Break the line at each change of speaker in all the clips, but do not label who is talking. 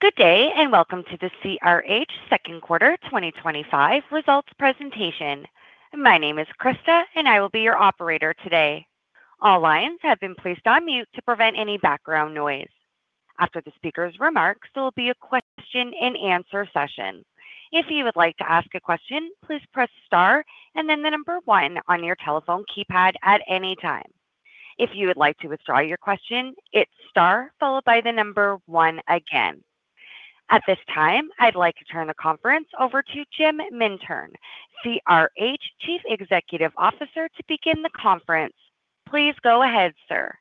Good day, and welcome to the CRH second quarter 2025 results presentation. My name is Krista, and I will be your operator today. All lines have been placed on mute to prevent any background noise. After the speaker's remarks, there will be a question-and-answer session. If you would like to ask a question, please press star and then the number one on your telephone keypad at any time. If you would like to withdraw your question, it's star followed by the number one again. At this time, I'd like to turn the conference over to Jim Mintern, CRH Chief Executive Officer, to begin the conference. Please go ahead, sir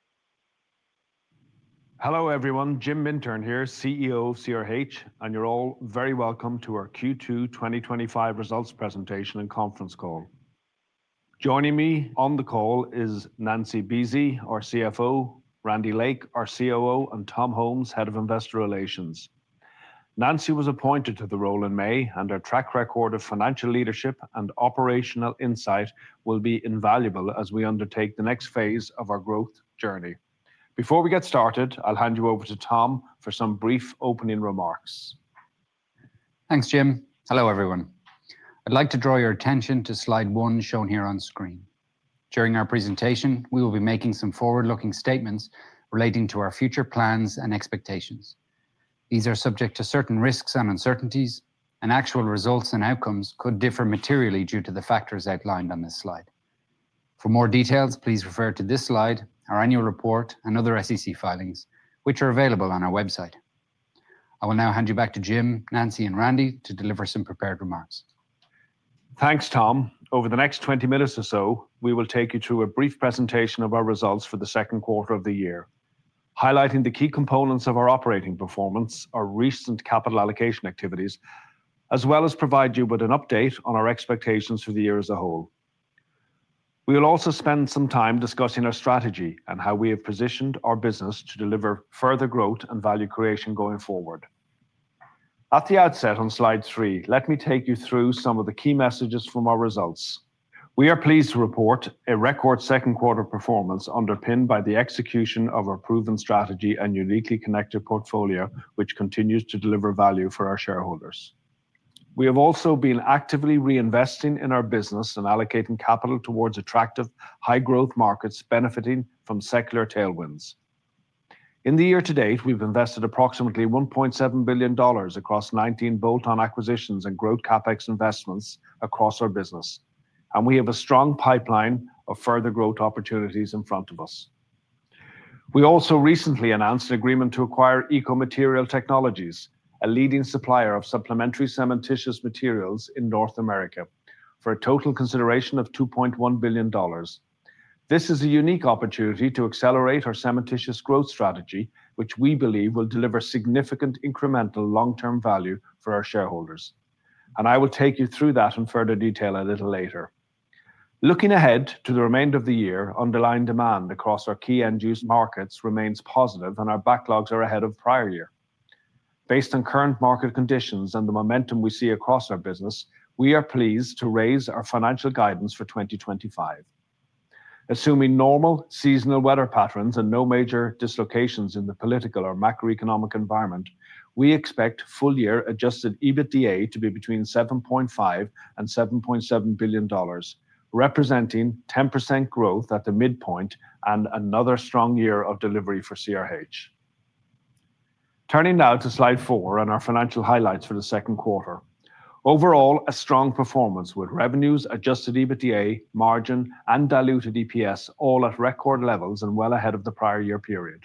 Hello everyone, Jim Mintern here, CEO of CRH, and you're all very welcome to our Q2 2025 results presentation and conference call. Joining me on the call is Nancy Buesse, our CFO, Randy Lake, our COO, and Tom Holmes, Head of Investor Relations. Nancy was appointed to the role in May, and her track record of financial leadership and operational insight will be invaluable as we undertake the next phase of our growth journey. Before we get started, I'll hand you over to Tom for some brief opening remarks.
Thanks, Jim. Hello everyone. I'd like to draw your attention to slide one shown here on screen. During our presentation, we will be making some forward-looking statements relating to our future plans and expectations. These are subject to certain risks and uncertainties, and actual results and outcomes could differ materially due to the factors outlined on this slide. For more details, please refer to this slide, our annual report, and other SEC filings, which are available on our website. I will now hand you back to Jim, Nancy, and Randy to deliver some prepared remarks.
Thanks, Tom. Over the next 20 minutes or so, we will take you through a brief presentation of our results for the second quarter of the year, highlighting the key components of our operating performance, our recent capital allocation activities, as well as provide you with an update on our expectations for the year as a whole. We will also spend some time discussing our strategy and how we have positioned our business to deliver further growth and value creation going forward. At the outset on slide three, let me take you through some of the key messages from our results. We are pleased to report a record second quarter performance underpinned by the execution of our proven strategy and uniquely connected portfolio, which continues to deliver value for our shareholders. We have also been actively reinvesting in our business and allocating capital towards attractive, high-growth markets benefiting from secular tailwinds. In the year to date, we've invested approximately $1.7 billion across 19 bolt-on acquisitions and growth CapEx investments across our business, and we have a strong pipeline of further growth opportunities in front of us. We also recently announced an agreement to acquire EcoMaterial Technologies, a leading supplier of supplementary cementitious materials in North America, for a total consideration of $2.1 billion. This is a unique opportunity to accelerate our cementitious growth strategy, which we believe will deliver significant incremental long-term value for our shareholders. I will take you through that in further detail a little later. Looking ahead to the remainder of the year, underlying demand across our key end-use markets remains positive, and our backlogs are ahead of prior year. Based on current market conditions and the momentum we see across our business, we are pleased to raise our financial guidance for 2025. Assuming normal seasonal weather patterns and no major dislocations in the political or macroeconomic environment, we expect full-year adjusted EBITDA to be between $7.5 billion and $7.7 billion, representing 10% growth at the midpoint and another strong year of delivery for CRH. Turning now to slide four and our financial highlights for the second quarter. Overall, a strong performance with revenues, adjusted EBITDA, margin, and diluted EPS all at record levels and well ahead of the prior year period.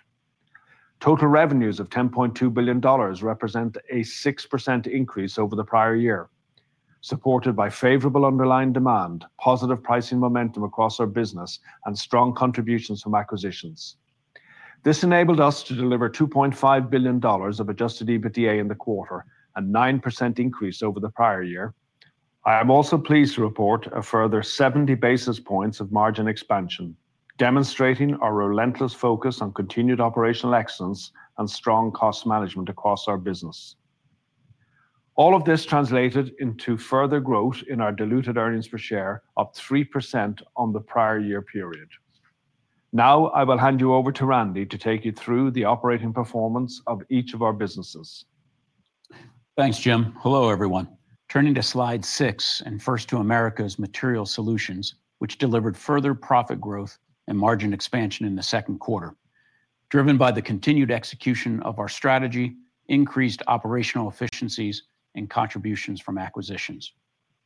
Total revenues of $10.2 billion represent a 6% increase over the prior year, supported by favorable underlying demand, positive pricing momentum across our business, and strong contributions from acquisitions. This enabled us to deliver $2.5 billion of adjusted EBITDA in the quarter and a 9% increase over the prior year. I am also pleased to report a further 70 basis points of margin expansion, demonstrating our relentless focus on continued operational excellence and strong cost management across our business. All of this translated into further growth in our diluted earnings per share, up 3% on the prior year period. Now, I will hand you over to Randy to take you through the operating performance of each of our businesses.
Thanks, Jim. Hello everyone. Turning to slide six and first to Americas Material Solutions, which delivered further profit growth and margin expansion in the second quarter, driven by the continued execution of our strategy, increased operational efficiencies, and contributions from acquisitions.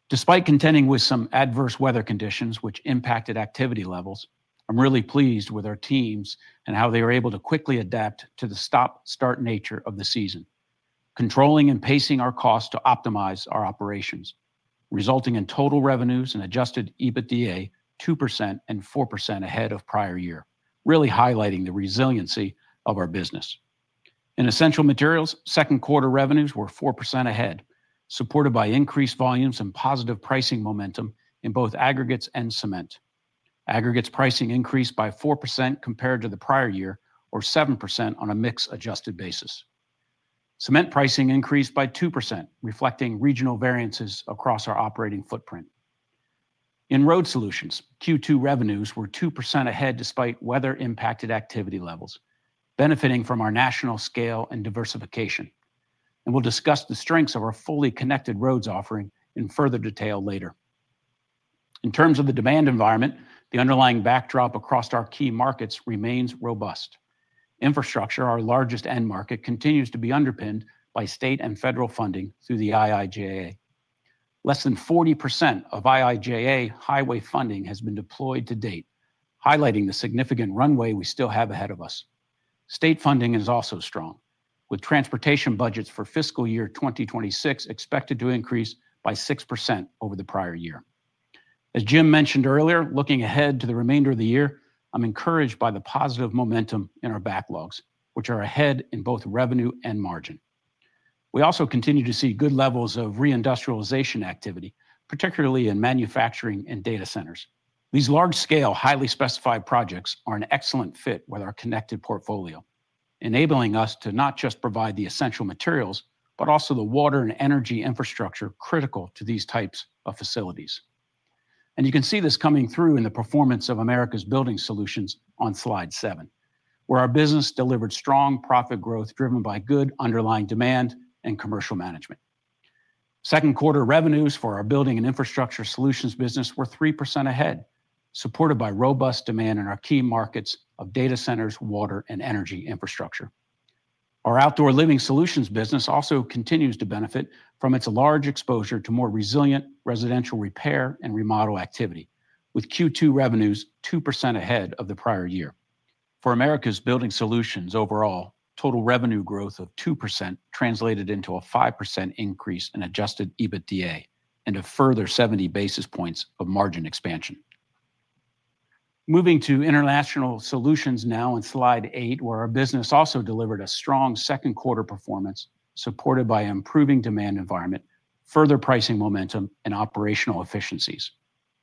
Despite contending with some adverse weather conditions, which impacted activity levels, I'm really pleased with our teams and how they were able to quickly adapt to the stop-start nature of the season, controlling and pacing our costs to optimize our operations, resulting in total revenues and adjusted EBITDA 2% and 4% ahead of prior year, really highlighting the resiliency of our business. In essential materials, second quarter revenues were 4% ahead, supported by increased volumes and positive pricing momentum in both aggregates and cement. Aggregates pricing increased by 4% compared to the prior year, or 7% on a mix adjusted basis. Cement pricing increased by 2%, reflecting regional variances across our operating footprint. In road solutions, Q2 revenues were 2% ahead despite weather-impacted activity levels, benefiting from our national scale and diversification. We'll discuss the strengths of our fully connected roads offering in further detail later. In terms of the demand environment, the underlying backdrop across our key markets remains robust. Infrastructure, our largest end market, continues to be underpinned by state and federal funding through the IIJA. Less than 40% of IIJA highway funding has been deployed to date, highlighting the significant runway we still have ahead of us. State funding is also strong, with transportation budgets for fiscal year 2026 expected to increase by 6% over the prior year. As Jim mentioned earlier, looking ahead to the remainder of the year, I'm encouraged by the positive momentum in our backlogs, which are ahead in both revenue and margin. We also continue to see good levels of reindustrialization activity, particularly in manufacturing and data centers. These large-scale, highly specified projects are an excellent fit with our connected portfolio, enabling us to not just provide the essential materials, but also the water and energy infrastructure critical to these types of facilities. You can see this coming through in the performance of Americas Building Solutions on slide seven, where our business delivered strong profit growth driven by good underlying demand and commercial management. Second quarter revenues for our building and infrastructure solutions business were 3% ahead, supported by robust demand in our key markets of data centers, water, and energy infrastructure. Our outdoor living solutions business also continues to benefit from its large exposure to more resilient residential repair and remodel activity, with Q2 revenues 2% ahead of the prior year. For Americas Building Solutions overall, total revenue growth of 2% translated into a 5% increase in adjusted EBITDA and a further 70 basis points of margin expansion. Moving to International Solutions now in slide eight, our business also delivered a strong second quarter performance, supported by an improving demand environment, further pricing momentum, and operational efficiencies.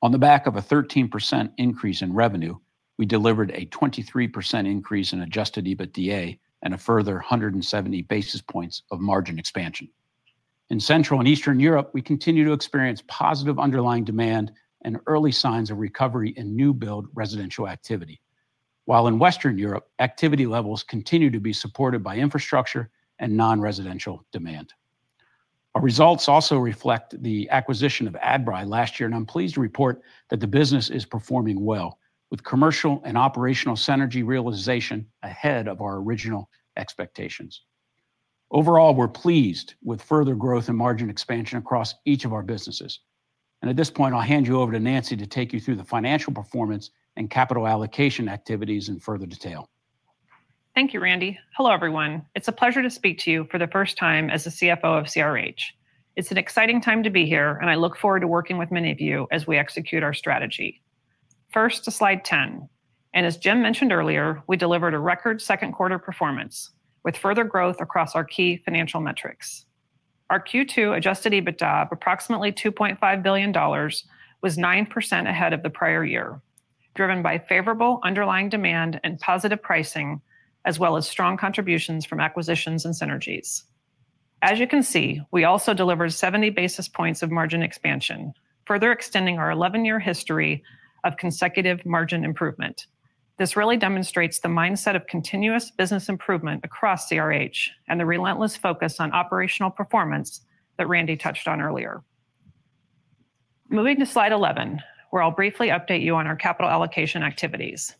On the back of a 13% increase in revenue, we delivered a 23% increase in adjusted EBITDA and a further 170 basis points of margin expansion. In Central and Eastern Europe, we continue to experience positive underlying demand and early signs of recovery in new build residential activity, while in Western Europe, activity levels continue to be supported by infrastructure and non-residential demand. Our results also reflect the acquisition of Adbri last year, and I'm pleased to report that the business is performing well, with commercial and operational synergy realization ahead of our original expectations. Overall, we're pleased with further growth and margin expansion across each of our businesses. At this point, I'll hand you over to Nancy to take you through the financial performance and capital allocation activities in further detail.
Thank you, Randy. Hello everyone. It's a pleasure to speak to you for the first time as the CFO of CRH. It's an exciting time to be here, and I look forward to working with many of you as we execute our strategy. First, to slide 10. As Jim mentioned earlier, we delivered a record second quarter performance with further growth across our key financial metrics. Our Q2 adjusted EBITDA of approximately $2.5 billion was 9% ahead of the prior year, driven by favorable underlying demand and positive pricing, as well as strong contributions from acquisitions and synergies. As you can see, we also delivered 70 basis points of margin expansion, further extending our 11-year history of consecutive margin improvement. This really demonstrates the mindset of continuous business improvement across CRH and the relentless focus on operational performance that Randy touched on earlier. Moving to slide 11, where I'll briefly update you on our capital allocation activities.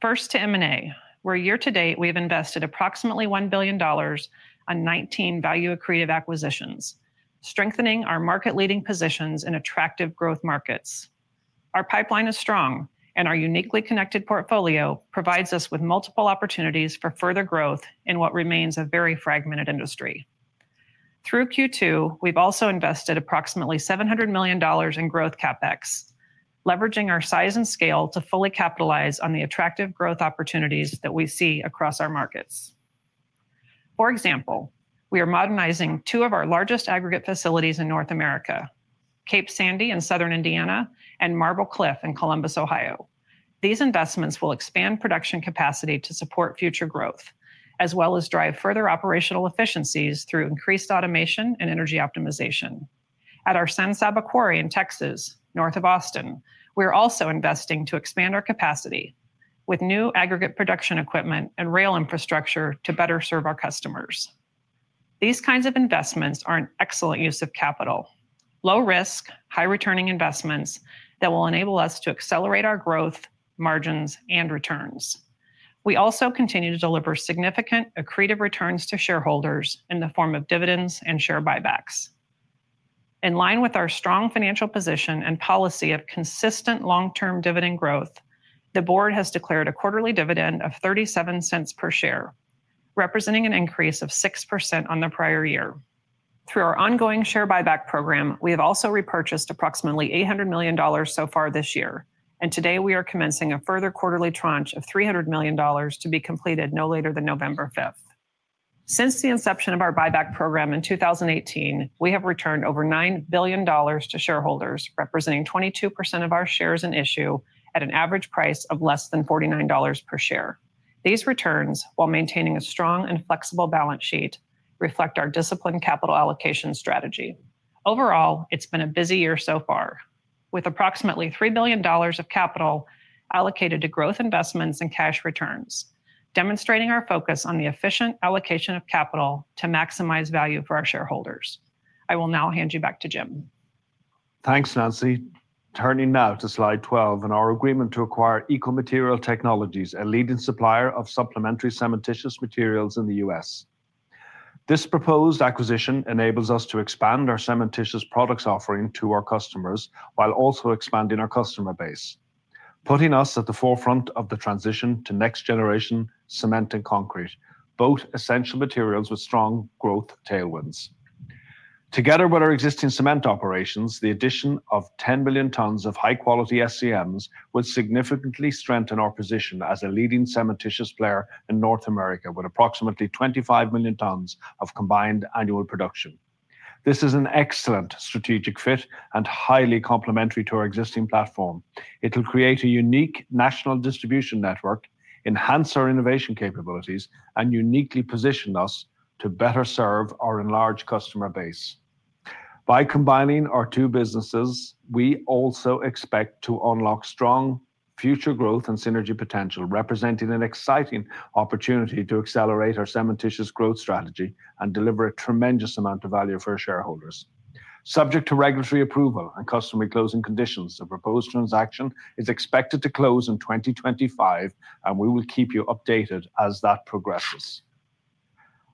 First, to M&A, where year to date we've invested approximately $1 billion on 19 value-accretive acquisitions, strengthening our market-leading positions in attractive growth markets. Our pipeline is strong, and our uniquely connected portfolio provides us with multiple opportunities for further growth in what remains a very fragmented industry. Through Q2, we've also invested approximately $700 million in growth CapEx, leveraging our size and scale to fully capitalize on the attractive growth opportunities that we see across our markets. For example, we are modernizing two of our largest aggregate facilities in North America: Cape Sandy in Southern Indiana and Marble Cliff in Columbus, Ohio. These investments will expand production capacity to support future growth, as well as drive further operational efficiencies through increased automation and energy optimization. At our San Saba Quarry in Texas, north of Austin, we are also investing to expand our capacity with new aggregate production equipment and rail infrastructure to better serve our customers. These kinds of investments are an excellent use of capital: low-risk, high-returning investments that will enable us to accelerate our growth, margins, and returns. We also continue to deliver significant accretive returns to shareholders in the form of dividends and share buybacks. In line with our strong financial position and policy of consistent long-term dividend growth, the Board has declared a quarterly dividend of $0.37 per share, representing an increase of 6% on the prior year. Through our ongoing share buyback program, we have also repurchased approximately $800 million so far this year, and today we are commencing a further quarterly tranche of $300 million to be completed no later than November 5. Since the inception of our buyback program in 2018, we have returned over $9 billion to shareholders, representing 22% of our shares in issue at an average price of less than $49 per share. These returns, while maintaining a strong and flexible balance sheet, reflect our disciplined capital allocation strategy. Overall, it's been a busy year so far, with approximately $3 billion of capital allocated to growth investments and cash returns, demonstrating our focus on the efficient allocation of capital to maximize value for our shareholders. I will now hand you back to Jim.
Thanks, Nancy. Turning now to slide 12 and our agreement to acquire EcoMaterial Technologies, a leading supplier of supplementary cementitious materials in the U.S. This proposed acquisition enables us to expand our cementitious products offering to our customers while also expanding our customer base, putting us at the forefront of the transition to next-generation cement and concrete, both essential materials with strong growth tailwinds. Together with our existing cement operations, the addition of 10 million tons of high-quality SCMs would significantly strengthen our position as a leading cementitious player in North America with approximately 25 million tons of combined annual production. This is an excellent strategic fit and highly complementary to our existing platform. It will create a unique national distribution network, enhance our innovation capabilities, and uniquely position us to better serve our enlarged customer base. By combining our two businesses, we also expect to unlock strong future growth and synergy potential, representing an exciting opportunity to accelerate our cementitious growth strategy and deliver a tremendous amount of value for our shareholders. Subject to regulatory approval and customary closing conditions, the proposed transaction is expected to close in 2025, and we will keep you updated as that progresses.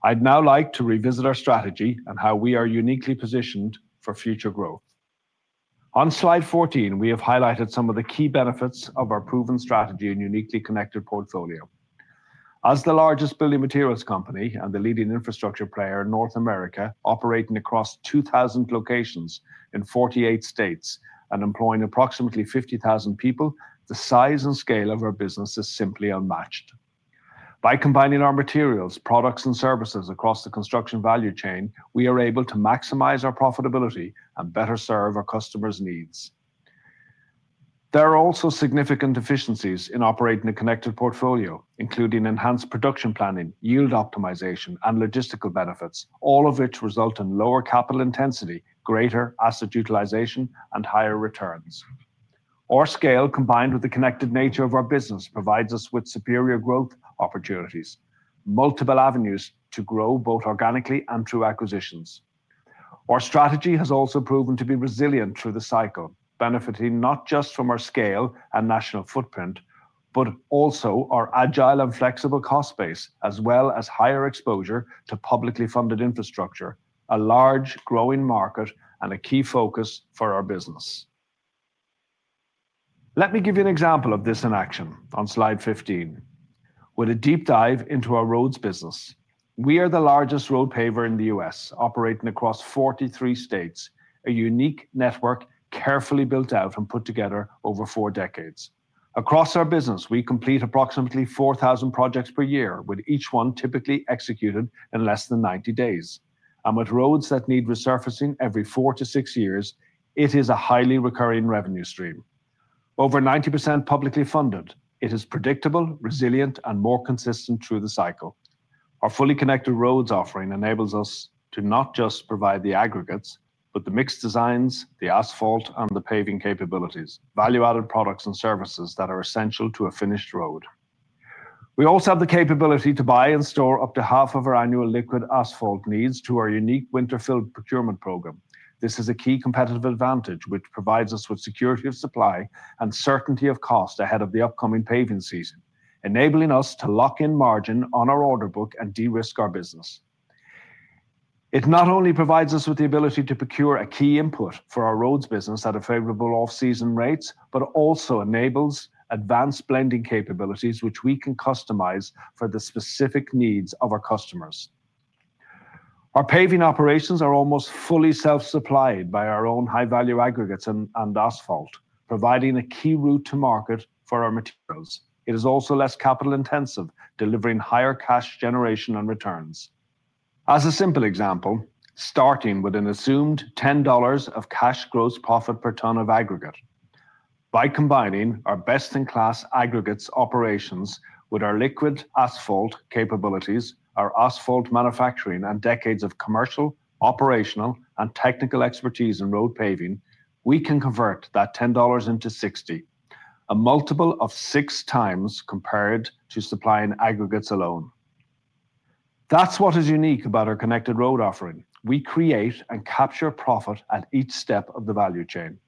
I'd now like to revisit our strategy and how we are uniquely positioned for future growth. On slide 14, we have highlighted some of the key benefits of our proven strategy and uniquely connected portfolio. As the largest building materials company and the leading infrastructure player in North America, operating across 2,000 locations in 48 states and employing approximately 50,000 people, the size and scale of our business is simply unmatched. By combining our materials, products, and services across the construction value chain, we are able to maximize our profitability and better serve our customers' needs. There are also significant efficiencies in operating a connected portfolio, including enhanced production planning, yield optimization, and logistical benefits, all of which result in lower capital intensity, greater asset utilization, and higher returns. Our scale, combined with the connected nature of our business, provides us with superior growth opportunities, multiple avenues to grow both organically and through acquisitions. Our strategy has also proven to be resilient through the cycle, benefiting not just from our scale and national footprint, but also our agile and flexible cost base, as well as higher exposure to publicly funded infrastructure, a large growing market, and a key focus for our business. Let me give you an example of this in action on slide 15 with a deep dive into our roads business. We are the largest road paver in the U.S., operating across 43 states, a unique network carefully built out and put together over four decades. Across our business, we complete approximately 4,000 projects per year, with each one typically executed in less than 90 days. With roads that need resurfacing every four to six years, it is a highly recurring revenue stream. Over 90% publicly funded, it is predictable, resilient, and more consistent through the cycle. Our fully connected roads offering enables us to not just provide the aggregates, but the mixed designs, the asphalt, and the paving capabilities, value-added products and services that are essential to a finished road. We also have the capability to buy and store up to half of our annual liquid asphalt needs through our unique winter-filled procurement program. This is a key competitive advantage, which provides us with security of supply and certainty of cost ahead of the upcoming paving season, enabling us to lock in margin on our order book and de-risk our business. It not only provides us with the ability to procure a key input for our roads business at a favorable off-season rate, but also enables advanced blending capabilities, which we can customize for the specific needs of our customers. Our paving operations are almost fully self-supplied by our own high-value aggregates and asphalt, providing a key route to market for our materials. It is also less capital intensive, delivering higher cash generation and returns. As a simple example, starting with an assumed $10 of cash gross profit per ton of aggregate. By combining our best-in-class aggregates operations with our liquid asphalt capabilities, our asphalt manufacturing, and decades of commercial, operational, and technical expertise in road paving, we can convert that $10 into $60, a multiple of six times compared to supplying aggregates alone. That's what is unique about our connected road offering. We create and capture profit at each step of the value chain.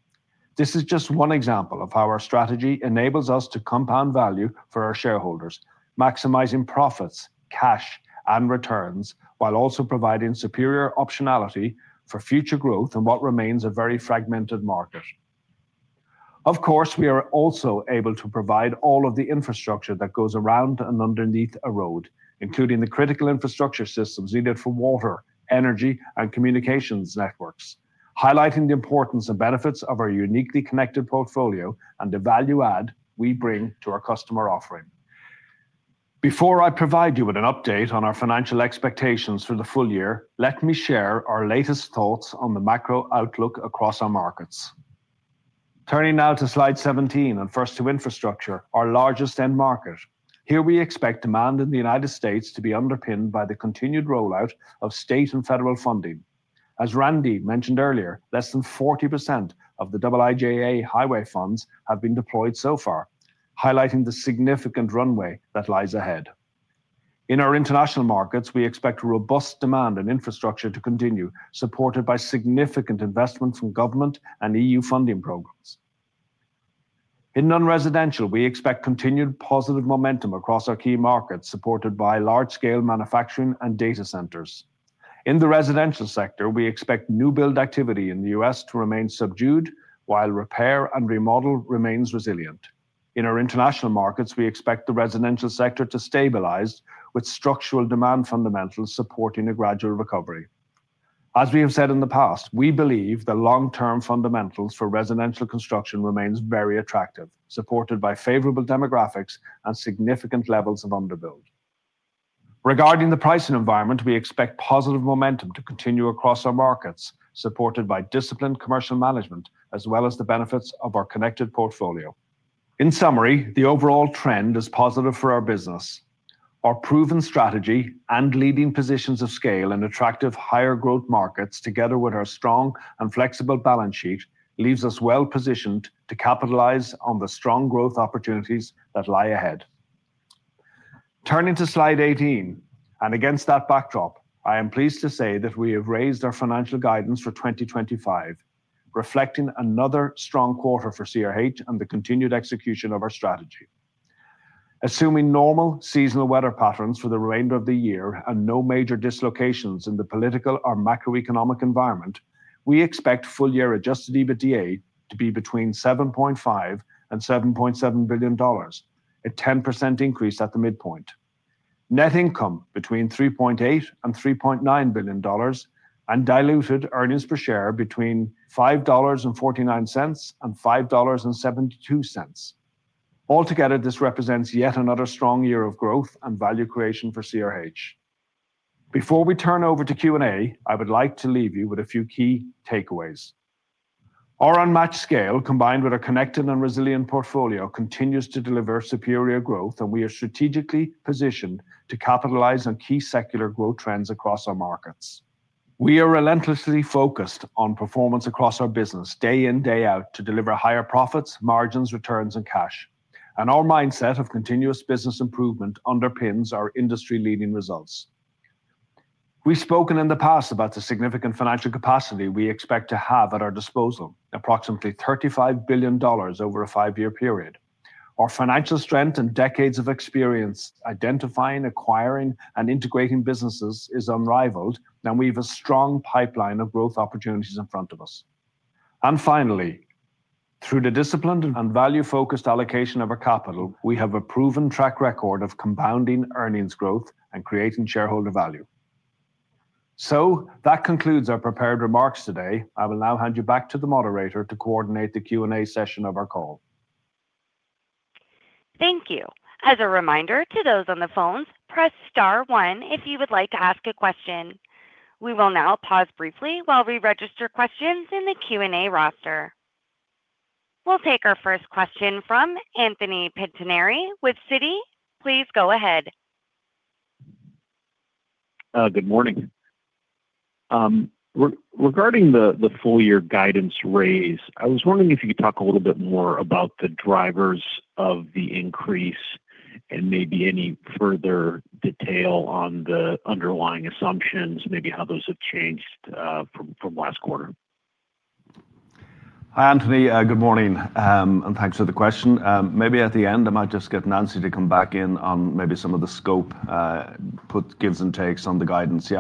This is just one example of how our strategy enables us to compound value for our shareholders, maximizing profits, cash, and returns, while also providing superior optionality for future growth in what remains a very fragmented market. Of course, we are also able to provide all of the infrastructure that goes around and underneath a road, including the critical infrastructure systems needed for water, energy, and communications networks, highlighting the importance and benefits of our uniquely connected portfolio and the value add we bring to our customer offering. Before I provide you with an update on our financial expectations for the full year, let me share our latest thoughts on the macro outlook across our markets. Turning now to slide 17 and first to infrastructure, our largest end market. Here we expect demand in the U.S. to be underpinned by the continued rollout of state and federal funding. As Randy mentioned earlier, less than 40% of the IIJA highway funds have been deployed so far, highlighting the significant runway that lies ahead. In our international markets, we expect robust demand in infrastructure to continue, supported by significant investments from government and EU funding programs. In non-residential, we expect continued positive momentum across our key markets, supported by large-scale manufacturing and data centers. In the residential sector, we expect new build activity in the U.S. to remain subdued, while repair and remodel remain resilient. In our international markets, we expect the residential sector to stabilize, with structural demand fundamentals supporting a gradual recovery. As we have said in the past, we believe the long-term fundamentals for residential construction remain very attractive, supported by favorable demographics and significant levels of underbuild. Regarding the pricing environment, we expect positive momentum to continue across our markets, supported by disciplined commercial management, as well as the benefits of our connected portfolio. In summary, the overall trend is positive for our business. Our proven strategy and leading positions of scale in attractive, higher-growth markets, together with our strong and flexible balance sheet, leave us well positioned to capitalize on the strong growth opportunities that lie ahead. Turning to slide 18, and against that backdrop, I am pleased to say that we have raised our financial guidance for 2025, reflecting another strong quarter for CRH and the continued execution of our strategy. Assuming normal seasonal weather patterns for the remainder of the year and no major dislocations in the political or macroeconomic environment, we expect full-year adjusted EBITDA to be between $7.5 billion and $7.7 billion, a 10% increase at the midpoint. Net income between $3.8 billion and $3.9 billion, and diluted earnings per share between $5.49 and $5.72. Altogether, this represents yet another strong year of growth and value creation for CRH. Before we turn over to Q&A, I would like to leave you with a few key takeaways. Our unmatched scale, combined with a connected and resilient portfolio, continues to deliver superior growth, and we are strategically positioned to capitalize on key secular growth trends across our markets. We are relentlessly focused on performance across our business, day in, day out, to deliver higher profits, margins, returns, and cash. Our mindset of continuous business improvement underpins our industry-leading results. We've spoken in the past about the significant financial capacity we expect to have at our disposal, approximately $35 billion over a five-year period. Our financial strength and decades of experience identifying, acquiring, and integrating businesses is unrivaled, and we have a strong pipeline of growth opportunities in front of us. Finally, through the disciplined and value-focused allocation of our capital, we have a proven track record of compounding earnings growth and creating shareholder value. That concludes our prepared remarks today. I will now hand you back to the moderator to coordinate the Q&A session of our call.
Thank you. As a reminder to those on the phones, press star one if you would like to ask a question. We will now pause briefly while we register questions in the Q&A roster. We'll take our first question from Anthony Pettinari with Citi. Please go ahead.
Good morning. Regarding the full-year guidance raise, I was wondering if you could talk a little bit more about the drivers of the increase and maybe any further detail on the underlying assumptions, maybe how those have changed from last quarter.
Hi, Anthony. Good morning. Thanks for the question. Maybe at the end, I might just get Nancy to come back in on maybe some of the scope, puts, gives, and takes on the guidance.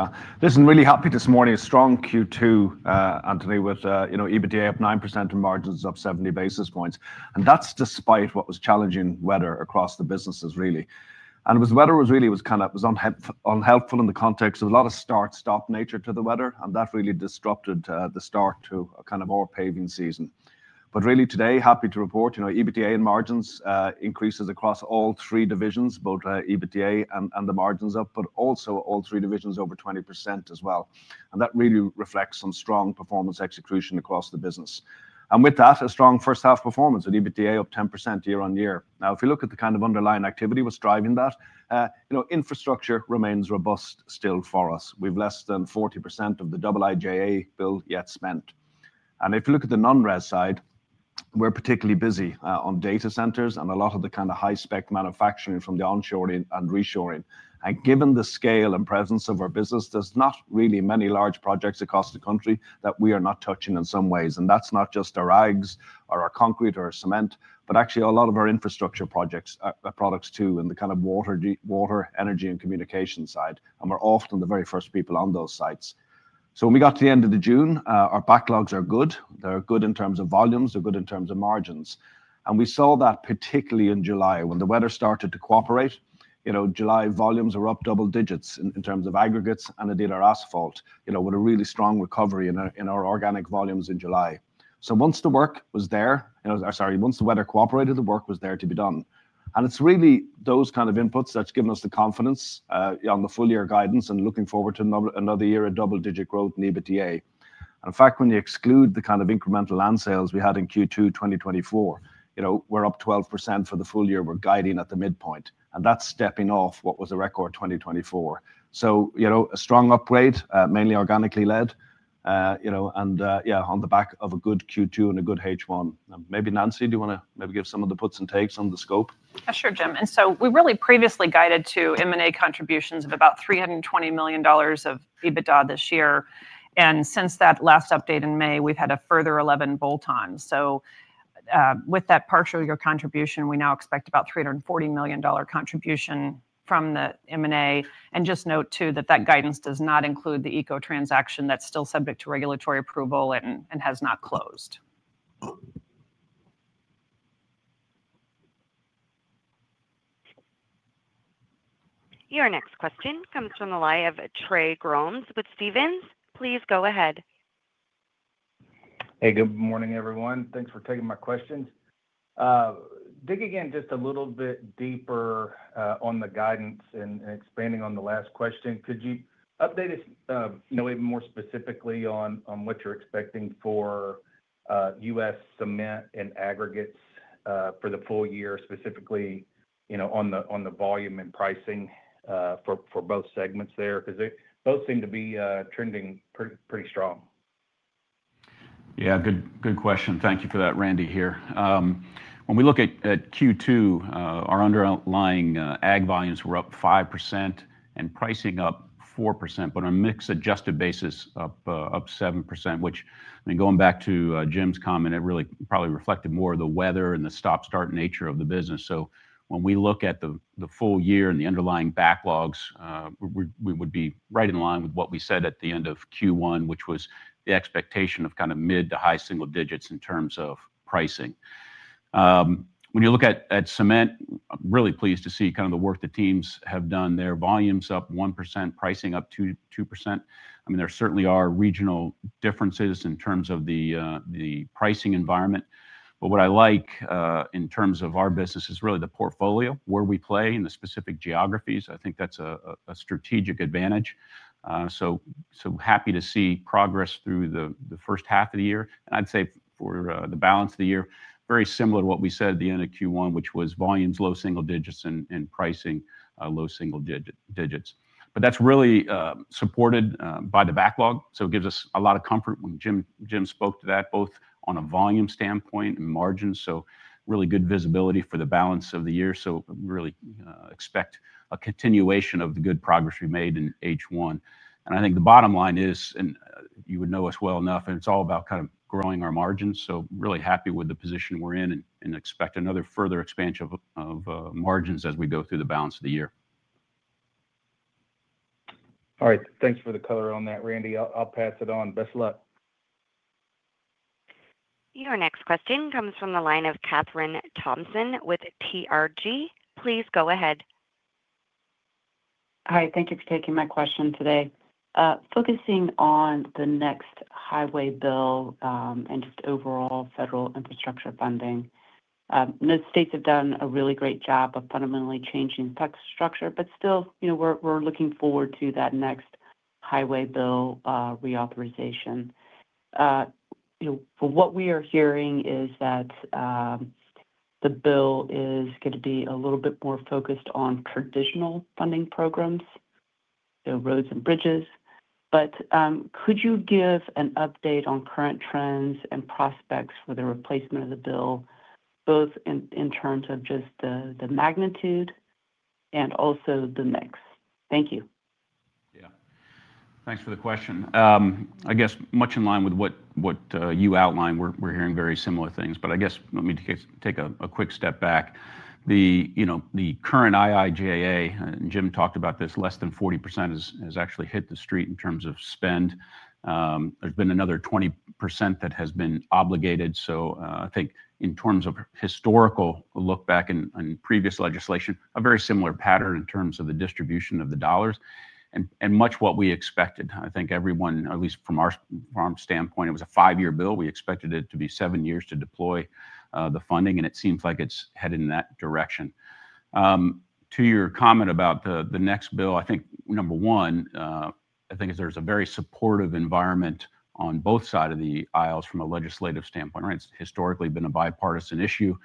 Really happy this morning. A strong Q2, Anthony, with EBITDA of 9% and margins of 70 basis points. That's despite what was challenging weather across the businesses. It was weather that was really, it was kind of, it was unhelpful in the context of a lot of start-stop nature to the weather, and that really disrupted the start to a more paving season. Really today, happy to report EBITDA and margins increases across all three divisions, both EBITDA and the margins up, but also all three divisions over 20% as well. That really reflects on strong performance execution across the business. With that, a strong first half performance with EBITDA of 10% year on year. If you look at the kind of underlying activity, what's driving that, infrastructure remains robust still for us. We've less than 40% of the IIJA bill yet spent. If you look at the non-res side, we're particularly busy on data centers and a lot of the kind of high-spec manufacturing from the onshoring and reshoring. Given the scale and presence of our business, there's not really many large projects across the country that we are not touching in some ways. That's not just our rags, our concrete, or our cement, but actually a lot of our infrastructure products too, and the kind of water, energy, and communication side. We're often the very first people on those sites. When we got to the end of June, our backlogs are good. They're good in terms of volumes. They're good in terms of margins. We saw that particularly in July when the weather started to cooperate. July volumes are up double digits in terms of aggregates and the dealer asphalt, with a really strong recovery in our organic volumes in July. Once the weather cooperated, the work was there to be done. It's really those kind of inputs that's given us the confidence on the full year guidance and looking forward to another year of double-digit growth in EBITDA. In fact, when you exclude the kind of incremental land sales we had in Q2 2024, we're up 12% for the full year we're guiding at the midpoint. That's stepping off what was a record 2024. A strong upgrade, mainly organically led, on the back of a good Q2 and a good H1. Maybe Nancy, do you want to maybe give some of the puts and takes on the scope?
Sure, Jim. We really previously guided to M&A contributions of about $320 million of EBITDA this year. Since that last update in May, we've had a further 11 bolt-on acquisitions. With that partial year contribution, we now expect about $340 million contribution from the M&A. Just note too that that guidance does not include the EcoMaterial Technologies transaction that's still subject to regulatory approval and has not closed.
Your next question comes from the line of Trey Grooms with Stevens. Please go ahead.
Hey, good morning everyone. Thanks for taking my questions. Digging in just a little bit deeper on the guidance and expanding on the last question, could you update us, you know, even more specifically on what you're expecting for U.S. cement and aggregates for the full year, specifically, you know, on the volume and pricing for both segments there, because they both seem to be trending pretty strong.
Yeah, good question. Thank you for that, Randy, here. When we look at Q2, our underlying ag volumes were up 5% and pricing up 4%, but on a mix-adjusted basis, up 7%, which, I mean, going back to Jim's comment, it really probably reflected more of the weather and the stop-start nature of the business. When we look at the full year and the underlying backlogs, we would be right in line with what we said at the end of Q1, which was the expectation of kind of mid to high single digits in terms of pricing. When you look at cement, I'm really pleased to see kind of the work the teams have done. Their volumes up 1%, pricing up 2%. There certainly are regional differences in terms of the pricing environment. What I like in terms of our business is really the portfolio, where we play in the specific geographies. I think that's a strategic advantage. Happy to see progress through the first half of the year. I'd say for the balance of the year, very similar to what we said at the end of Q1, which was volumes low single digits and pricing low single digits. That's really supported by the backlog. It gives us a lot of comfort when Jim spoke to that, both on a volume standpoint and margins. Really good visibility for the balance of the year. We really expect a continuation of the good progress we made in H1. I think the bottom line is, and you would know us well enough, it's all about kind of growing our margins. Really happy with the position we're in and expect another further expansion of margins as we go through the balance of the year.
All right, thanks for the color on that, Randy. I'll pass it on. Best of luck.
Your next question comes from the line of Kathryn Thompson with TRG. Please go ahead.
Hi, thank you for taking my question today. Focusing on the next highway bill and just overall federal infrastructure funding, the states have done a really great job of fundamentally changing the structure. Still, you know, we're looking forward to that next highway bill reauthorization. For what we are hearing is that the bill is going to be a little bit more focused on traditional funding programs, you know, roads and bridges. Could you give an update on current trends and prospects for the replacement of the bill, both in terms of just the magnitude and also the mix? Thank you.
Yeah, thanks for the question. Much in line with what you outlined, we're hearing very similar things, but let me just take a quick step back. The current IIJA, and Jim talked about this, less than 40% has actually hit the street in terms of spend. There's been another 20% that has been obligated. I think in terms of historical look back in previous legislation, a very similar pattern in terms of the distribution of the dollars and much what we expected. I think everyone, at least from our standpoint, it was a five-year bill. We expected it to be seven years to deploy the funding, and it seems like it's headed in that direction. To your comment about the next bill, number one, I think there's a very supportive environment on both sides of the aisles from a legislative standpoint, right? It's historically been a bipartisan issue.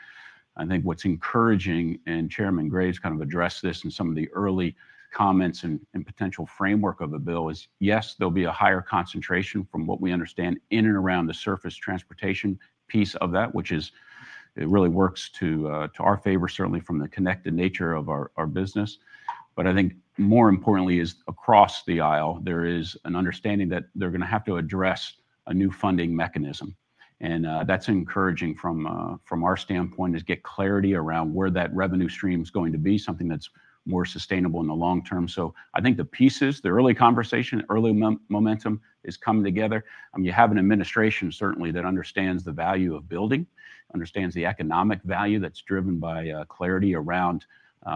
What's encouraging, and Chairman Graves kind of addressed this in some of the early comments and potential framework of a bill, is yes, there'll be a higher concentration from what we understand in and around the surface transportation piece of that, which really works to our favor, certainly from the connected nature of our business. More importantly, across the aisle, there is an understanding that they're going to have to address a new funding mechanism. That's encouraging from our standpoint to get clarity around where that revenue stream is going to be, something that's more sustainable in the long term. I think the pieces, the early conversation, early momentum is coming together. You have an administration that certainly understands the value of building, understands the economic value that's driven by clarity around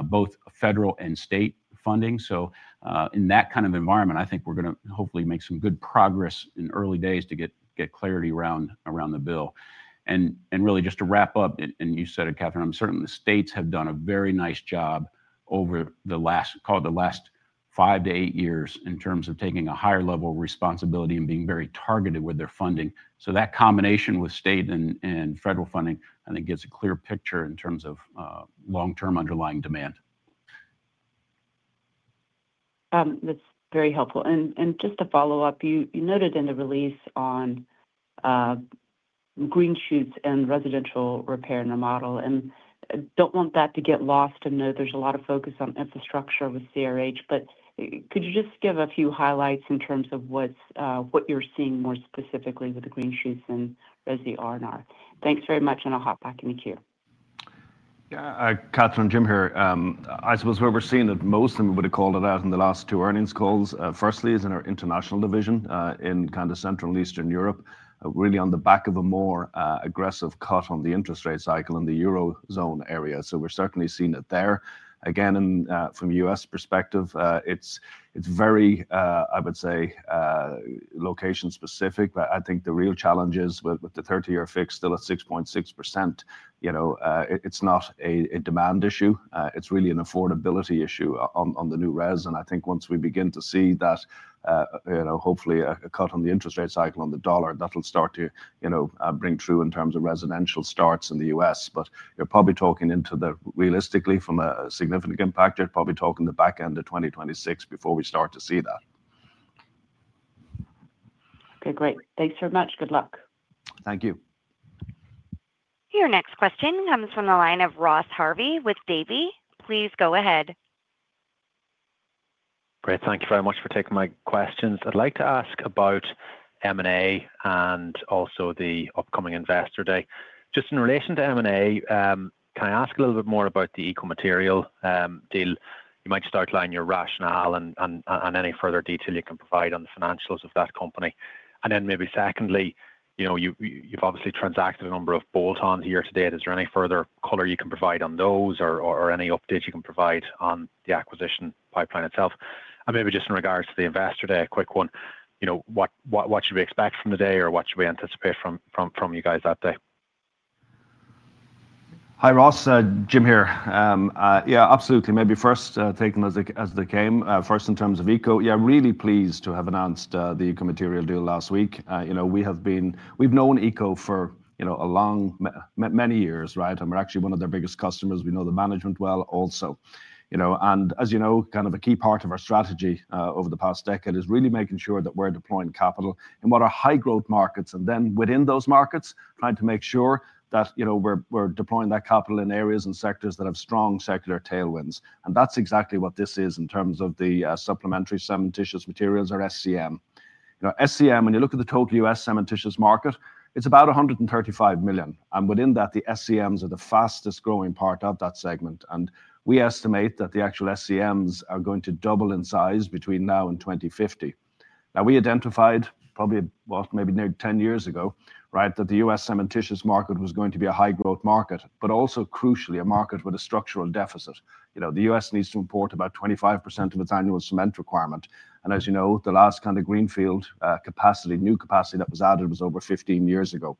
both federal and state funding. In that kind of environment, I think we're going to hopefully make some good progress in early days to get clarity around the bill. Really just to wrap up, and you said it, Kathryn, I'm certain the states have done a very nice job over the last, call it the last five to eight years in terms of taking a higher level of responsibility and being very targeted with their funding. That combination with state and federal funding gives a clear picture in terms of long-term underlying demand.
That's very helpful. Just to follow up, you noted in the release on green shoots and residential repair in the model. I don't want that to get lost and know there's a lot of focus on infrastructure with CRH, but could you just give a few highlights in terms of what you're seeing more specifically with the green shoots and resi R&R? Thanks very much, and I'll hop back in the queue.
Yeah, Kathryn, Jim here. I suppose what we're seeing that most of them would have called it out in the last two earnings calls, firstly is in our international division in kind of Central and Eastern Europe, really on the back of a more aggressive cut on the interest rate cycle in the eurozone area. We're certainly seeing it there. Again, from a U.S. perspective, it's very, I would say, location specific, but I think the real challenge is with the 30-year fix still at 6.6%. You know, it's not a demand issue. It's really an affordability issue on the new residence. I think once we begin to see that, you know, hopefully a cut on the interest rate cycle on the dollar, that'll start to, you know, bring true in terms of residential starts in the U.S. You're probably talking into the realistically from a significant impact, you're probably talking the back end of 2026 before we start to see that.
Okay, great. Thanks very much. Good luck.
Thank you.
Your next question comes from the line of Ross Harvey with CRH. Please go ahead.
Great, thank you very much for taking my questions. I'd like to ask about M&A and also the upcoming Investor Day. Just in relation to M&A, can I ask a little bit more about the EcoMaterial deal? You might just outline your rationale and any further detail you can provide on the financials of that company. Maybe secondly, you've obviously transacted a number of bolt-ons here today. Is there any further color you can provide on those or any updates you can provide on the acquisition pipeline itself? In regards to the Investor Day, a quick one, what should we expect from the day or what should we anticipate from you guys that day?
Hi, Ross. Jim here. Yeah, absolutely. Maybe first take them as they came. First, in terms of ECO, really pleased to have announced the EcoMaterial deal last week. We've known ECO for many years, right? We're actually one of their biggest customers. We know the management well also. As you know, a key part of our strategy over the past decade is really making sure that we're deploying capital in what are high-growth markets and then within those markets, trying to make sure that we're deploying that capital in areas and sectors that have strong secular tailwinds. That's exactly what this is in terms of the supplementary cementitious materials or SCM. SCM, when you look at the total U.S. cementitious market, it's about 135 million. Within that, the SCMs are the fastest growing part of that segment. We estimate that the actual SCMs are going to double in size between now and 2050. We identified probably what maybe nearly 10 years ago, right, that the U.S. cementitious market was going to be a high-growth market, but also crucially a market with a structural deficit. The U.S. needs to import about 25% of its annual cement requirement. As you know, the last kind of greenfield capacity, new capacity that was added was over 15 years ago.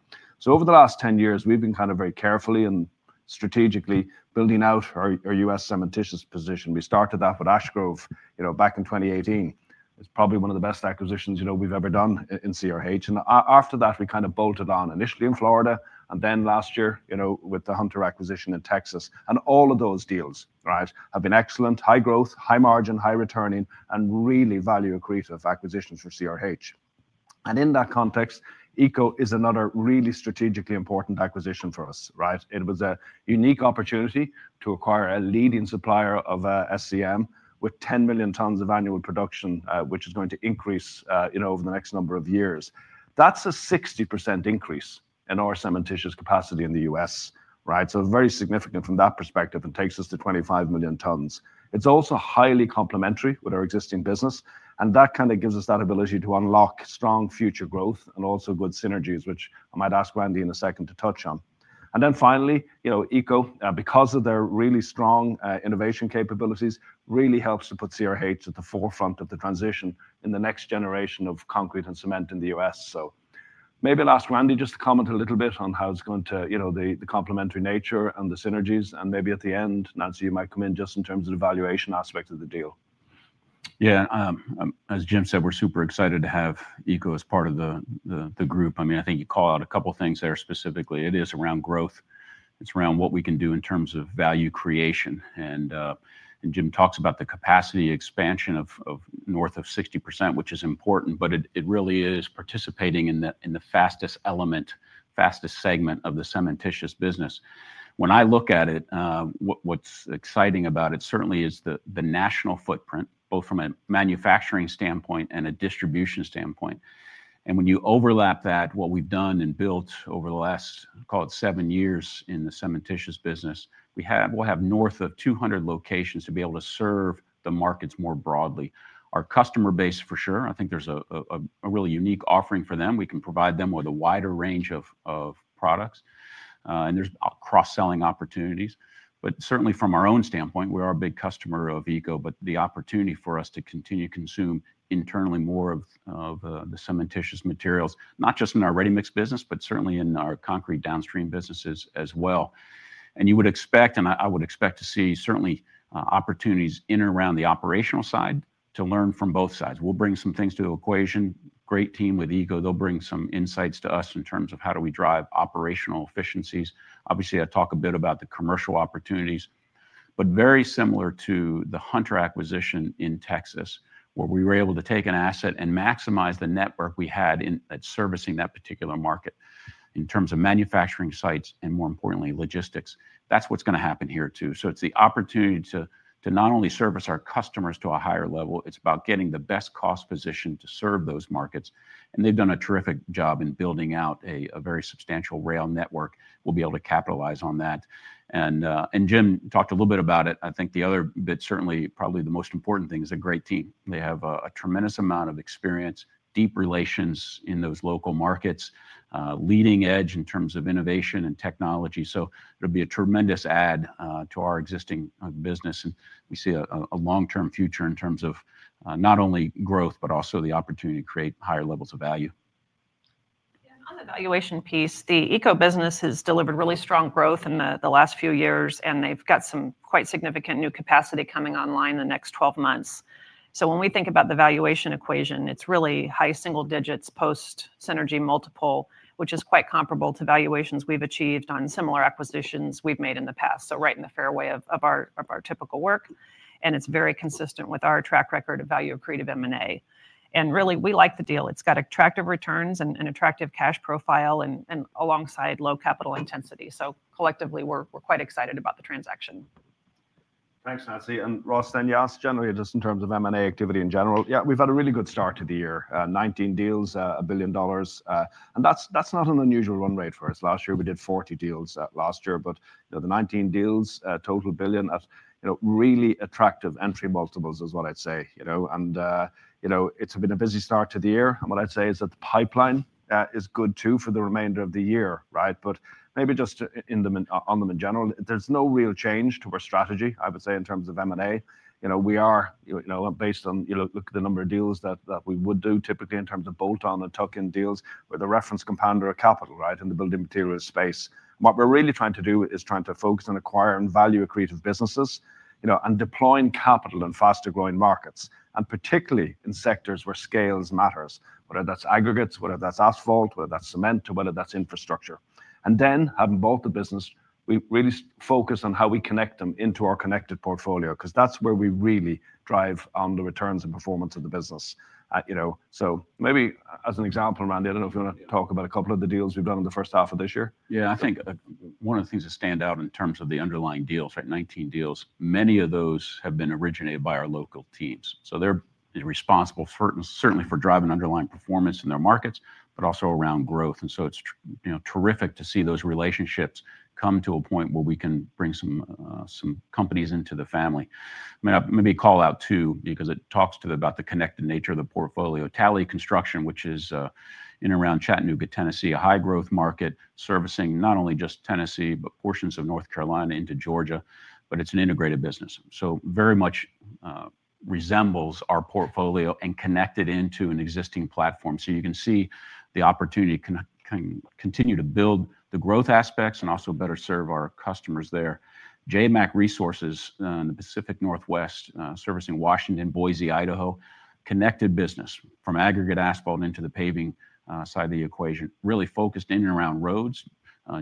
Over the last 10 years, we've been very carefully and strategically building out our U.S. cementitious position. We started that with Ash Grove Cement Company back in 2018. It's probably one of the best acquisitions we've ever done in CRH. After that, we bolted on initially in Florida and then last year with the Hunter acquisition in Texas. All of those deals have been excellent, high growth, high margin, high returning, and really value-accretive acquisitions for CRH. In that context, EcoMaterial Technologies is another really strategically important acquisition for us. It was a unique opportunity to acquire a leading supplier of supplementary cementitious materials with 10 million tons of annual production, which is going to increase over the next number of years. That's a 60% increase in our cementitious capacity in the U.S., so very significant from that perspective and takes us to 25 million tons. It's also highly complementary with our existing business, and that gives us that ability to unlock strong future growth and also good synergies, which I might ask Randy in a second to touch on. Finally, EcoMaterial Technologies, because of their really strong innovation capabilities, really helps to put CRH at the forefront of the transition in the next generation of concrete and cement in the U.S. Maybe I'll ask Randy just to comment a little bit on how it's going to, the complementary nature and the synergies. At the end, Nancy, you might come in just in terms of the valuation aspect of the deal.
Yeah, as Jim said, we're super excited to have EcoMaterial Technologies as part of the group. I mean, I think you call out a couple of things there specifically. It is around growth. It's around what we can do in terms of value creation. Jim talks about the capacity expansion of north of 60%, which is important, but it really is participating in the fastest element, fastest segment of the cementitious business. When I look at it, what's exciting about it certainly is the national footprint, both from a manufacturing standpoint and a distribution standpoint. When you overlap that with what we've done and built over the last, call it seven years in the cementitious business, we'll have north of 200 locations to be able to serve the markets more broadly. Our customer base, for sure, I think there's a really unique offering for them. We can provide them with a wider range of products, and there's cross-selling opportunities. Certainly from our own standpoint, we are a big customer of EcoMaterial Technologies, but the opportunity for us to continue to consume internally more of the cementitious materials, not just in our readymixed concrete business, but certainly in our concrete downstream businesses as well. You would expect, and I would expect to see, certainly opportunities in and around the operational side to learn from both sides. We'll bring some things to the equation. Great team with EcoMaterial Technologies. They'll bring some insights to us in terms of how do we drive operational efficiencies. Obviously, I talk a bit about the commercial opportunities, very similar to the Hunter acquisition in Texas, where we were able to take an asset and maximize the network we had in servicing that particular market in terms of manufacturing sites and, more importantly, logistics. That's what's going to happen here too. It's the opportunity to not only service our customers to a higher level, it's about getting the best cost position to serve those markets. They've done a terrific job in building out a very substantial rail network. We'll be able to capitalize on that. Jim talked a little bit about it. I think the other bit, certainly probably the most important thing, is a great team. They have a tremendous amount of experience, deep relations in those local markets, leading edge in terms of innovation and technology. It'll be a tremendous add to our existing business, and we see a long-term future in terms of not only growth, but also the opportunity to create higher levels of value.
On the valuation piece, the EcoMaterial Technologies business has delivered really strong growth in the last few years, and they've got some quite significant new capacity coming online in the next 12 months. When we think about the valuation equation, it's really high single digits post synergy multiple, which is quite comparable to valuations we've achieved on similar acquisitions we've made in the past. It's right in the fairway of our typical work. It's very consistent with our track record of value-accretive M&A. We like the deal. It's got attractive returns and an attractive cash profile alongside low capital intensity. Collectively, we're quite excited about the transaction.
Thanks, Nancy. Ross, can you ask generally just in terms of M&A activity in general? Yeah, we've had a really good start to the year. 19 deals, $1 billion. That's not an unusual run rate for us. Last year, we did 40 deals, but the 19 deals, total $1 billion, really attractive entry multiples is what I'd say, and it's been a busy start to the year. What I'd say is that the pipeline is good too for the remainder of the year, right? Maybe just on them in general, there's no real change to our strategy, I would say, in terms of M&A. We are, based on, look at the number of deals that we would do typically in terms of bolt-on and tuck-in deals with a reference compounder of capital, right, in the building materials space. What we're really trying to do is trying to focus on acquiring value-accretive businesses and deploying capital in faster growing markets, and particularly in sectors where scales matter, whether that's aggregates, whether that's asphalt, whether that's cement, or whether that's infrastructure. Having both the business, we really focus on how we connect them into our connected portfolio, because that's where we really drive on the returns and performance of the business. Maybe as an example, Randy, I don't know if you want to talk about a couple of the deals we've done in the first half of this year.
Yeah, I think one of the things that stand out in terms of the underlying deals, right, 19 deals, many of those have been originated by our local teams. They're responsible certainly for driving underlying performance in their markets, but also around growth. It's terrific to see those relationships come to a point where we can bring some companies into the family. Maybe call out too, because it talks to them about the connected nature of the portfolio. Tally Construction, which is in and around Chattanooga, Tennessee, a high-growth market servicing not only just Tennessee, but portions of North Carolina into Georgia, is an integrated business. It very much resembles our portfolio and is connected into an existing platform. You can see the opportunity to continue to build the growth aspects and also better serve our customers there. JMAC Resources in the Pacific Northwest servicing Washington, Boise, Idaho, connected business from aggregate asphalt into the paving side of the equation, really focused in and around roads.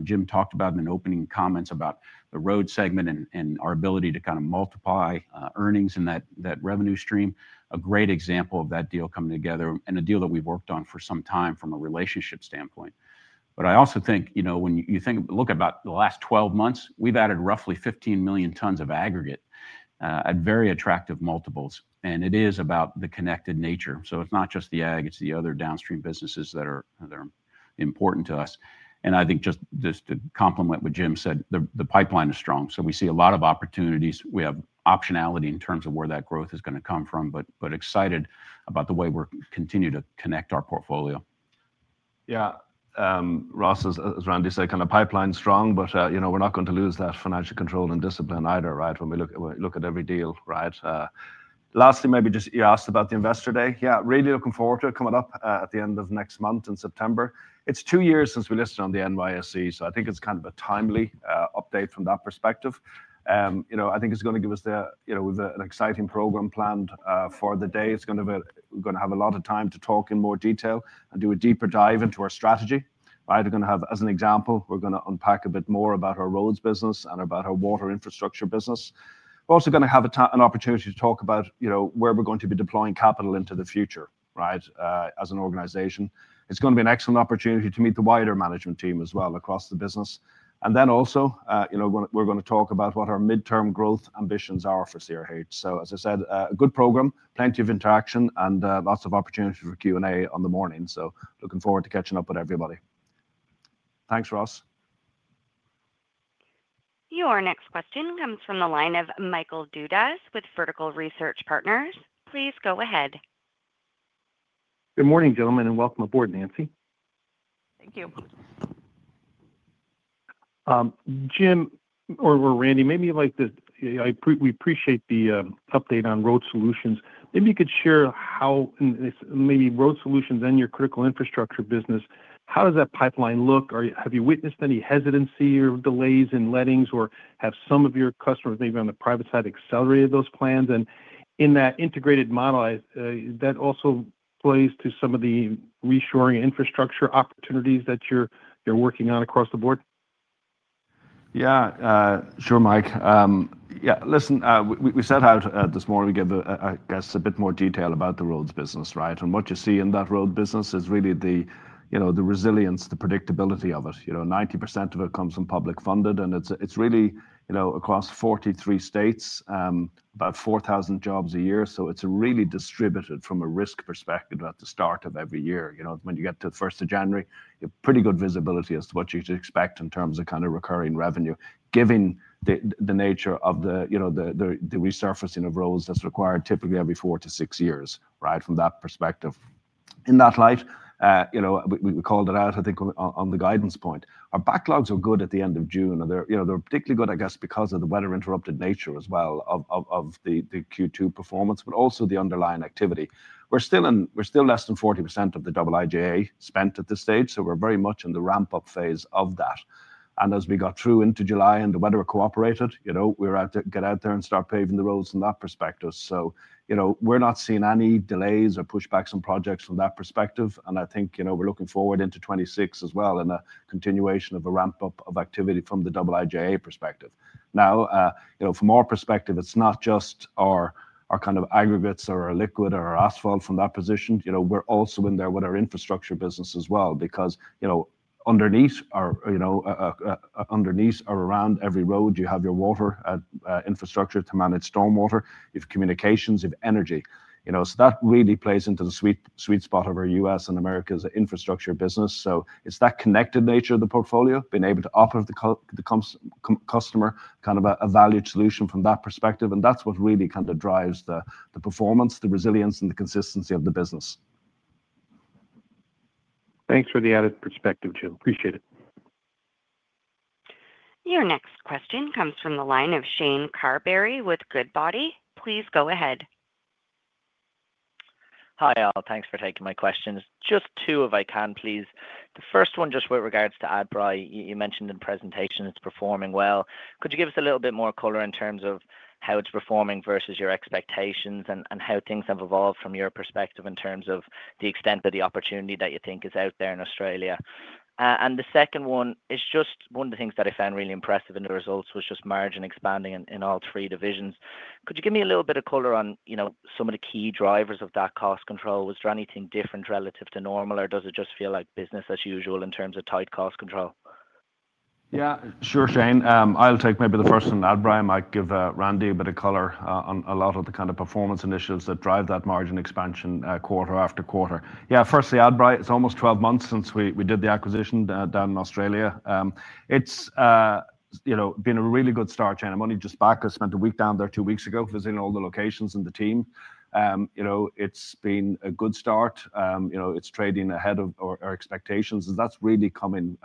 Jim talked about in an opening comment about the road segment and our ability to kind of multiply earnings in that revenue stream. A great example of that deal coming together and a deal that we've worked on for some time from a relationship standpoint. I also think, when you look at about the last 12 months, we've added roughly 15 million tons of aggregate at very attractive multiples. It is about the connected nature. It's not just the ag, it's the other downstream businesses that are important to us. I think just to complement what Jim said, the pipeline is strong. We see a lot of opportunities. We have optionality in terms of where that growth is going to come from, but excited about the way we continue to connect our portfolio.
Yeah, Ross, as Randy said, the pipeline is strong, but you know, we're not going to lose that financial control and discipline either, right? When we look at every deal, right? Lastly, maybe just you asked about the Investor Day. Yeah, really looking forward to it coming up at the end of next month in September. It's two years since we listed on the NYSE, so I think it's kind of a timely update from that perspective. You know, I think it's going to give us there, you know, with an exciting program planned for the day. It's going to have a lot of time to talk in more detail and do a deeper dive into our strategy, right? We're going to have, as an example, we're going to unpack a bit more about our roads business and about our water infrastructure business. We're also going to have an opportunity to talk about, you know, where we're going to be deploying capital into the future, right, as an organization. It's going to be an excellent opportunity to meet the wider management team as well across the business. Also, you know, we're going to talk about what our midterm growth ambitions are for CRH. As I said, a good program, plenty of interaction, and lots of opportunity for Q&A on the morning. Looking forward to catching up with everybody. Thanks, Ross.
Your next question comes from the line of Michael Dudas with Vertical Research Partners. Please go ahead.
Good morning, gentlemen, and welcome aboard, Nancy.
Thank you.
Jim, or Randy, maybe you'd like to, we appreciate the update on Road Solutions. Maybe you could share how, and maybe Road Solutions and your critical infrastructure business, how does that pipeline look? Have you witnessed any hesitancy or delays in lettings, or have some of your customers, maybe on the private side, accelerated those plans? In that integrated model, that also plays to some of the reshoring infrastructure opportunities that you're working on across the board?
Yeah, sure Mike. Yeah, listen, we set out this morning to give a bit more detail about the roads business, right? What you see in that roads business is really the resilience, the predictability of it. 90% of it comes from public funded, and it's really across 43 states, about 4,000 jobs a year. It's really distributed from a risk perspective at the start of every year. When you get to the 1st of January, you have pretty good visibility as to what you should expect in terms of kind of recurring revenue, given the nature of the resurfacing of roads that's required typically every four to six years, right, from that perspective. In that light, we called it out, I think, on the guidance point. Our backlogs are good at the end of June. They're particularly good, I guess, because of the weather-interrupted nature as well of the Q2 performance, but also the underlying activity. We're still in, we're still less than 40% of the IIJA spent at this stage. We're very much in the ramp-up phase of that. As we got through into July and the weather cooperated, we were able to get out there and start paving the roads from that perspective. We're not seeing any delays or pushbacks on projects from that perspective. I think we're looking forward into 2026 as well and a continuation of a ramp-up of activity from the IIJA perspective. Now, from our perspective, it's not just our kind of aggregates or our liquid or our asphalt from that position. We're also in there with our infrastructure business as well, because underneath our, underneath or around every road, you have your water infrastructure to manage stormwater, you have communications, you have energy. That really plays into the sweet spot of our U.S. and Americas infrastructure business. It's that connected nature of the portfolio, being able to operate with the customer, kind of a valued solution from that perspective. That's what really kind of drives the performance, the resilience, and the consistency of the business.
Thanks for the added perspective, Jim. Appreciate it.
Your next question comes from the line of Shane Carberry with Goodbody. Please go ahead.
Hi all, thanks for taking my questions. Just two if I can, please. The first one just with regards to Adbri, you mentioned in the presentation it's performing well. Could you give us a little bit more color in terms of how it's performing versus your expectations and how things have evolved from your perspective in terms of the extent of the opportunity that you think is out there in Australia? The second one is just one of the things that I found really impressive in the results was just margin expanding in all three divisions. Could you give me a little bit of color on, you know, some of the key drivers of that cost control? Was there anything different relative to normal or does it just feel like business as usual in terms of tight cost control?
Yeah, sure, Shane. I'll take maybe the first one, Adbri. I might give Randy a bit of color on a lot of the kind of performance initiatives that drive that margin expansion quarter after quarter. Firstly, Adbri, it's almost 12 months since we did the acquisition down in Australia. It's been a really good start, Shane. I'm only just back. I spent a week down there two weeks ago visiting all the locations and the team. It's been a good start. It's trading ahead of our expectations. That's really coming,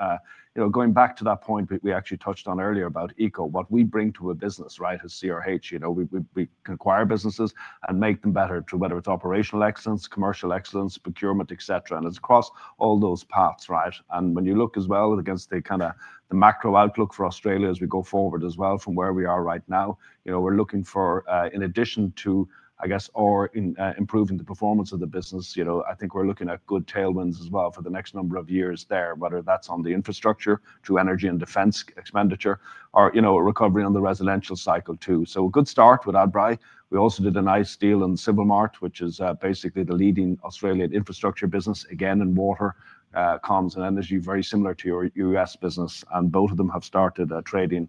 going back to that point we actually touched on earlier about ECO, what we bring to a business, right, is CRH. We can acquire businesses and make them better, whether it's operational excellence, commercial excellence, procurement, etc. It's across all those paths, right? When you look as well against the kind of the macro outlook for Australia as we go forward as well from where we are right now, we're looking for, in addition to, I guess, or improving the performance of the business, I think we're looking at good tailwinds as well for the next number of years there, whether that's on the infrastructure to energy and defense expenditure or recovery on the residential cycle too. A good start with Adbri. We also did a nice deal in CivilMart, which is basically the leading Australian infrastructure business, again in water, comms, and energy, very similar to your U.S. business. Both of them have started trading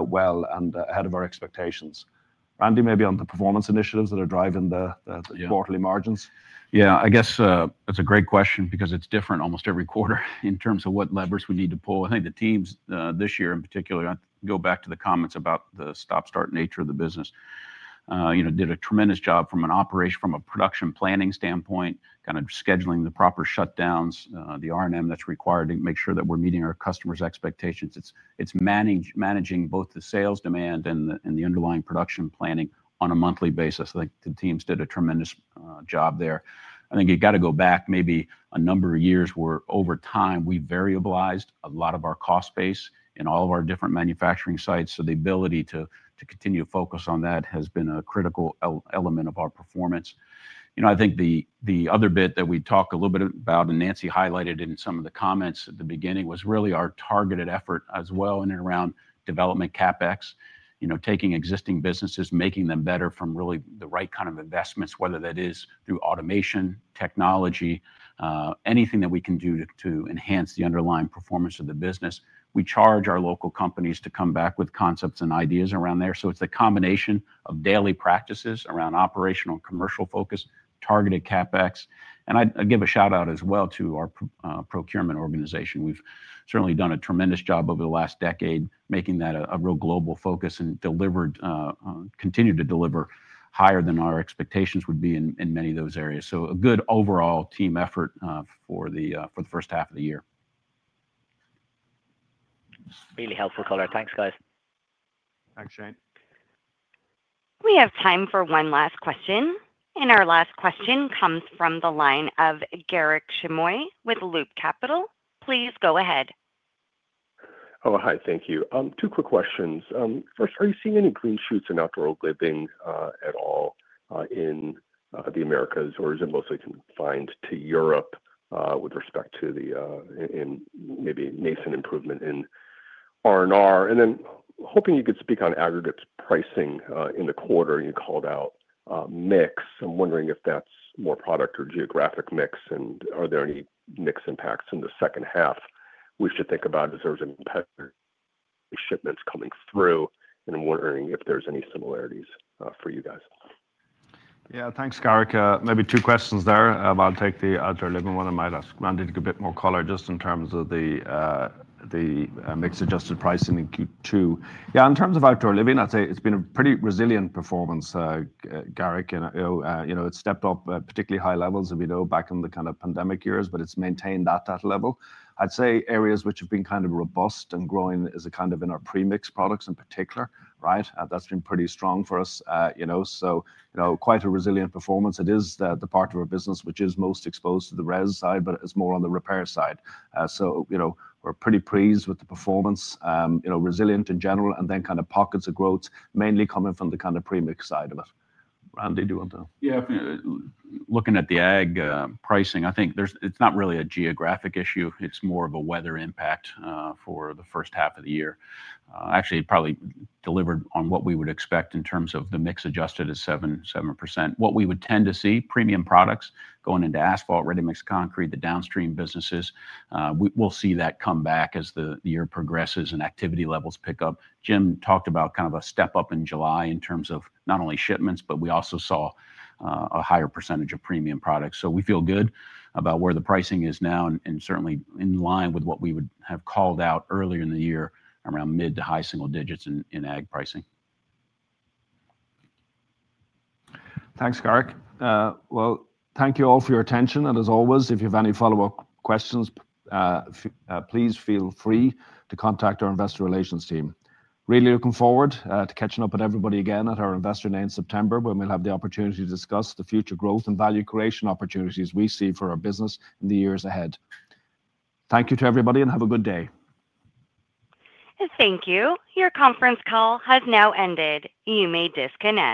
well and ahead of our expectations. Randy, maybe on the performance initiatives that are driving the quarterly margins?
Yeah, I guess that's a great question because it's different almost every quarter in terms of what levers we need to pull. I think the teams this year in particular, I go back to the comments about the stop-start nature of the business. You know, did a tremendous job from an operation, from a production planning standpoint, kind of scheduling the proper shutdowns, the R&M that's required to make sure that we're meeting our customers' expectations. It's managing both the sales demand and the underlying production planning on a monthly basis. I think the teams did a tremendous job there. I think you've got to go back maybe a number of years where over time we variabilized a lot of our cost base in all of our different manufacturing sites. The ability to continue to focus on that has been a critical element of our performance. I think the other bit that we talked a little bit about and Nancy highlighted in some of the comments at the beginning was really our targeted effort as well in and around development CapEx, taking existing businesses, making them better from really the right kind of investments, whether that is through automation, technology, anything that we can do to enhance the underlying performance of the business. We charge our local companies to come back with concepts and ideas around there. It's a combination of daily practices around operational and commercial focus, targeted CapEx. I'd give a shout out as well to our procurement organization. We've certainly done a tremendous job over the last decade, making that a real global focus and delivered, continue to deliver higher than our expectations would be in many of those areas. A good overall team effort for the first half of the year.
Really helpful color. Thanks, guys.
Thanks, Shane.
We have time for one last question. Our last question comes from the line of Garik Shmois with Loop Capital. Please go ahead.
Oh, hi, thank you. Two quick questions. First, are you seeing any green shoots in outdoor gridbing at all in the Americas, or is it mostly confined to Europe with respect to the, and maybe nascent improvement in R&R? Hoping you could speak on aggregates pricing in the quarter. You called out a mix. I'm wondering if that's more product or geographic mix, and are there any mix impacts in the second half? We should think about is there's a shipment coming through, and I'm wondering if there's any similarities for you guys.
Yeah, thanks, Garik. Maybe two questions there. I'll take the outdoor living one. I might ask Randy to give a bit more color just in terms of the mixed adjusted pricing in Q2. In terms of outdoor living, I'd say it's been a pretty resilient performance, Garik. You know, it stepped up particularly high levels, as we know, back in the kind of pandemic years, but it's maintained at that level. I'd say areas which have been kind of robust and growing is in our pre-mix products in particular, right? That's been pretty strong for us, you know, so quite a resilient performance. It is the part of our business which is most exposed to the res side, but it's more on the repair side. We're pretty pleased with the performance, resilient in general, and then pockets of growth mainly coming from the pre-mix side of it. Randy, do you want to?
Yeah, looking at the aggregates pricing, I think it's not really a geographic issue. It's more of a weather impact for the first half of the year. Actually, probably delivered on what we would expect in terms of the mix adjusted at 7%. What we would tend to see, premium products going into asphalt/bitumen, readymixed concrete, the downstream businesses, we'll see that come back as the year progresses and activity levels pick up. Jim talked about kind of a step up in July in terms of not only shipments, but we also saw a higher percentage of premium products. We feel good about where the pricing is now and certainly in line with what we would have called out earlier in the year around mid to high single digits in aggregates pricing.
Thank you all for your attention. As always, if you have any follow-up questions, please feel free to contact our Investor Relations team. Really looking forward to catching up with everybody again at our Investor Day in September, where we'll have the opportunity to discuss the future growth and value creation opportunities we see for our business in the years ahead. Thank you to everybody and have a good day.
Thank you. Your conference call has now ended. You may disconnect.